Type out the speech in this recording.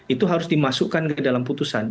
itu harus dimasukkan ke dalam putusan